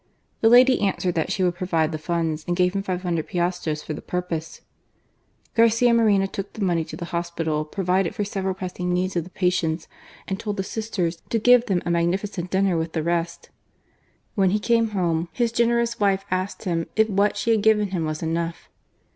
The lady answered that she^ would provide the funds, and gave him 500 piastres for the purpose. Garcia Moreno took the money to the hospital, provided for several pressing needs of the patients, and told the Sisters to give them a magnificent dinner with the rest. When he came home, his generous wife asked him if what she had given him was enough